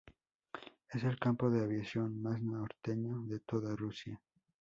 Es el campo de aviación más norteño de toda Rusia.